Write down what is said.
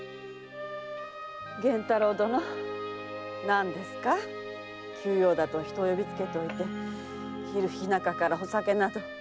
玄太郎殿何ですか急用だと人を呼びつけておいて昼日中からお酒など。